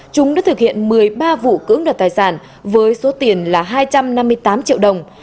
chúng đã thực hiện một mươi ba vụ cưỡng đoạt tài sản với số tiền là hai trăm năm mươi tám triệu đồng